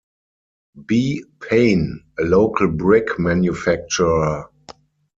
B. Paine, a local brick manufacturer.